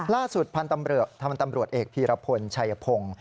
ล่าสุดพันธ์ตำรวจเอกพีรพลชัยพง